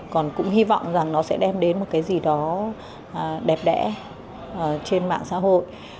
còn cũng hy vọng rằng nó sẽ đem đến một cái gì đó đẹp đẽ trên mạng xã hội